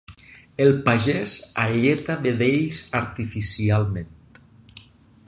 El pagès alleta vedells artificialment.